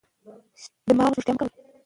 د شکرې کمښت د دماغ روغتیا ته ګټور دی.